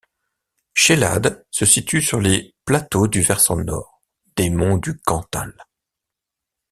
Cheylade se situe sur les plateaux du versant nord des monts du Cantal.